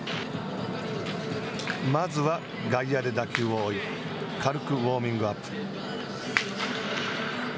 まずは外野で打球を追い軽くウォーミングアップ。